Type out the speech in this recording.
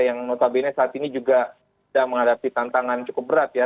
yang notabene saat ini juga sudah menghadapi tantangan cukup berat ya